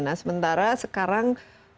nah sementara sekarang